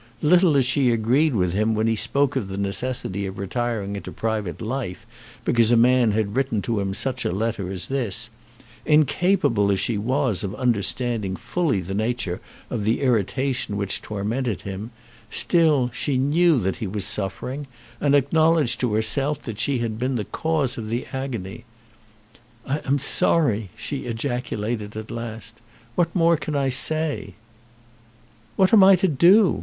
Little as she agreed with him when he spoke of the necessity of retiring into private life because a man had written to him such a letter as this, incapable as she was of understanding fully the nature of the irritation which tormented him, still she knew that he was suffering, and acknowledged to herself that she had been the cause of the agony. "I am sorry," she ejaculated at last. "What more can I say?" "What am I to do?